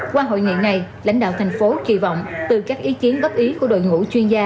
qua hội nghị này lãnh đạo thành phố kỳ vọng từ các ý kiến góp ý của đội ngũ chuyên gia